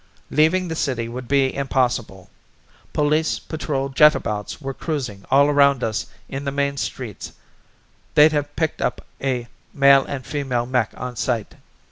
Leaving the city would be impossible. Police patrol jetabouts were cruising all around us in the main streets they'd have picked up a male and female mech on sight.